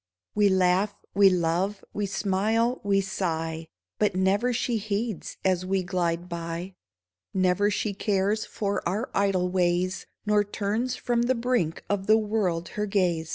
We laugh, we love, we smile, we sigh, But never she heeds as we glide by — Never she cares for our idle ways Nor turns from the brink of the world her gaze